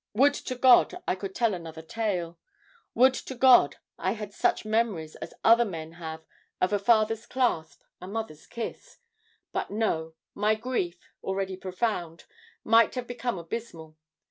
Would to God I could tell another tale! Would to God I had such memories as other men have of a father's clasp, a mother's kiss but no! my grief, already profound, might have become abysmal.